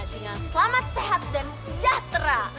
dengan selamat sehat dan sejahtera